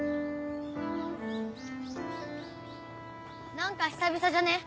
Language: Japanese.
何か久々じゃね？